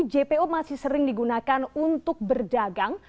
jpo masih sering digunakan untuk berdagang